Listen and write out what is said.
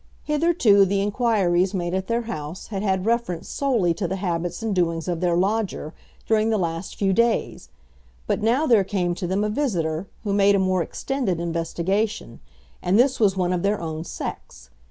Hitherto the inquiries made at their house had had reference solely to the habits and doings of their lodger during the last few days; but now there came to them a visitor who made a more extended investigation; and this was one of their own sex.